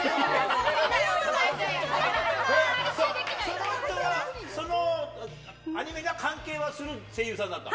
その人は、そのアニメに関係はする声優さんだったの？